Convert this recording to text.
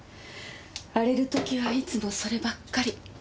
荒れる時はいつもそればっかり。